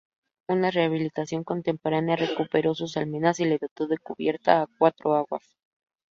Una rehabilitación contemporánea recuperó sus almenas y le dotó de cubierta a cuatro aguas.